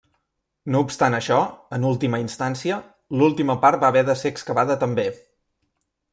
No obstant això, en última instància, l'última part va haver de ser excavada també.